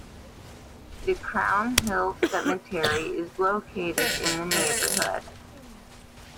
The Crown Hill Cemetery is located in the neighborhood.